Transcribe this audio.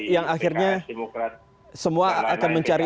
yang akhirnya semua akan mencari